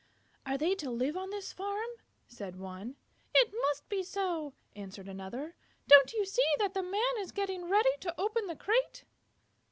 "Are they to live on this farm?" said one. "It must be so," answered another. "Don't you see that the Man is getting ready to open the crate?"